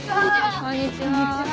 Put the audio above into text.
こんにちは。